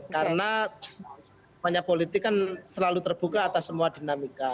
karena banyak politik kan selalu terbuka atas semua dinamika